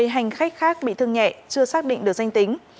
một mươi hành khách khác bị thương nhẹ chưa xác định được danh tính